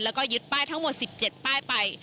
แล้วก็ยึดป้ายทั้งหมด๑๗ป้ายไป